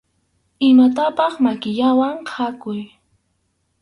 Imatapaq makillawan khakuy.